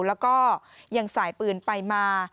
แล้วก็ยังสายปืนไปมา